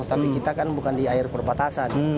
tapi kita kan bukan di air perbatasan